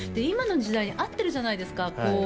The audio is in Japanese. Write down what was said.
今の時代に合ってるじゃないですか。